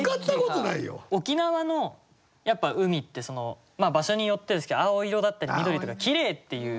沖縄の海って場所によってですけど青色だったり緑とかきれいっていう。